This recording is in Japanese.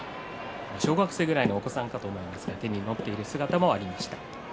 小学生ぐらいのお子さんだと思いますが、手に持っている姿が映し出されました。